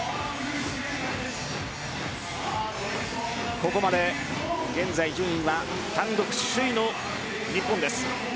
ここまで現在順位は単独首位の日本。